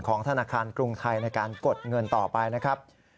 ธนาคารกรุงไทยในการกดเงินต่อไปนะครับ